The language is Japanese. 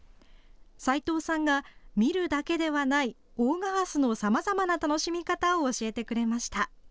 斉藤さんが見るだけではない大賀ハスのさまざまな楽しみ方を教えてくれました。